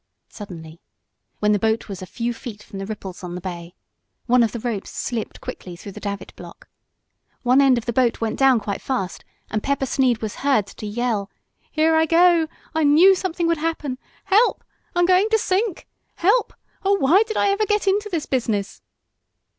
Suddenly, when the boat was a few feet from the ripples on the bay, one of the ropes slipped quickly through the davit block. One end of the boat went down quite fast and Pepper Sneed was heard to yell: "Here I go! I knew something would happen! Help! I'm going to sink! Help! Oh, why did I ever get into this business!"